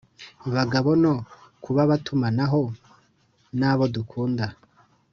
Bagabo no kubabatumanaho n abo dukunda